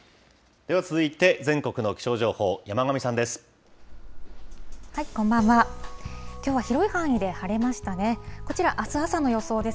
では続いて、全国の気象情報、山神さんです。